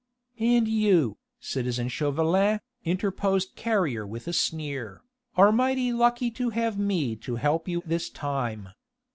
"And you, citizen Chauvelin," interposed Carrier with a sneer, "are mighty lucky to have me to help you this time.